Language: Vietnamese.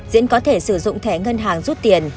diễn có thể sử dụng thẻ ngân hàng rút tiền